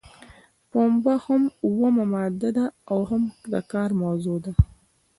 پنبه هم اومه ماده ده او هم د کار موضوع ده.